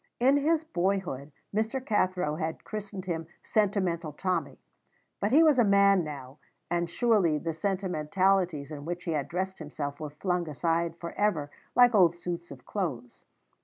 In his boyhood Mr. Cathro had christened him Sentimental Tommy; but he was a man now, and surely the sentimentalities in which he had dressed himself were flung aside for ever, like old suits of clothes.